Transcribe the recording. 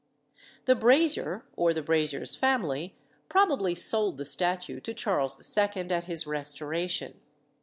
The brazier, or the brazier's family, probably sold the statue to Charles II. at his restoration.